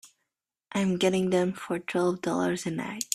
I'm getting them for twelve dollars a night.